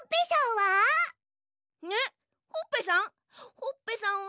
ほっぺさんは。